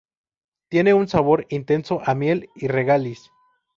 Tiene un sabor intenso a miel y regaliz.